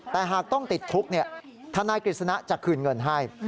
แต่หากต้องติดคุกทนายกฤษณะจะคืนเงินให้